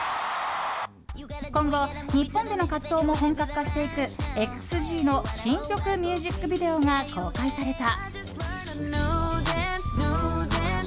今後、日本での活動も本格化していくＸＧの新曲ミュージックビデオが公開された。